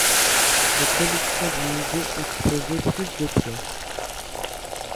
Les collections du musée exposaient plus de pièces.